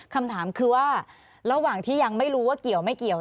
คำถามคือว่าระหว่างที่ยังไม่รู้ว่าเกี่ยวไม่เกี่ยว